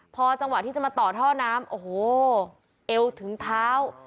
พอจังหวะที่จะมาต่อท่อน้ำโอ้โหเอวถึงเท้า